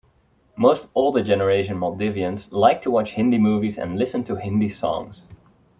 Most older generation Maldivians like to watch Hindi movies and listen to Hindi songs.